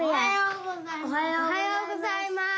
おはようございます！